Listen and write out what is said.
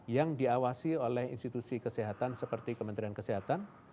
yang diawasi oleh institusi kesehatan seperti kementerian kesehatan